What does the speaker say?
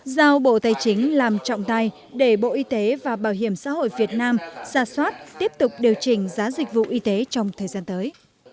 giao bộ tài chính làm trọng tay để bộ y tế và bảo hiểm xã hội việt nam xa xoát tiếp tục điều chỉnh giá dịch vụ y tế trong thời gian tới